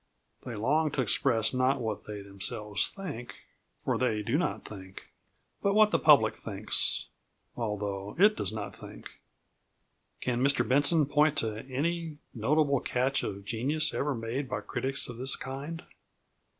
They long to express not what they themselves think (for they do not think), but what the public thinks (though it does not think). Can Mr Benson point to any notable catch of genius ever made by critics of this kind?